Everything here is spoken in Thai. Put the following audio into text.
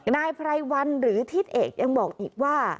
นายไพรวันหรือทิศเอกยังบอกอีกว่า